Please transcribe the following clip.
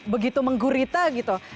begitu menggurita gitu